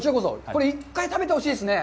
これ１回食べてほしいですね。